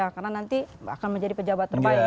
karena nanti akan menjadi pejabat terbaik